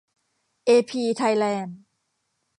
เอพี ไทยแลนด์